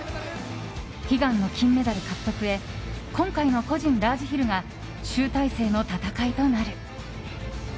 悲願の金メダル獲得へ今回の個人ラージヒルが集大成の戦いとなる。